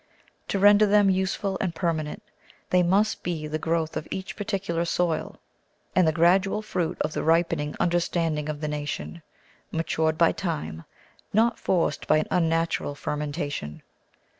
To render them useful and permanent, they must be the growth of each particular soil, and the gradual fruit of the ripening understanding of the nation, matured by time, not forced by an unnatural fermentation.